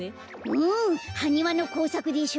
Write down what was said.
うんハニワのこうさくでしょ？